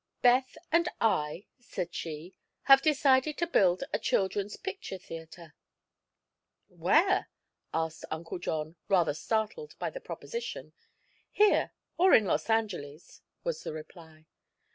"Beth and I," said she, "have decided to build a Children's Picture Theatre." "Where?" asked Uncle John, rather startled by the proposition. "Here, or in Los Angeles," was the reply.